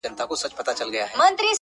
داسي چي حیران، دریان د جنگ زامن وي ناست~